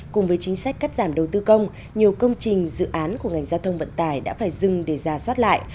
cùng với chính sách cắt giảm đầu tư công nhiều công trình dự án của ngành giao thông vận tải đã phải dừng để giả soát lại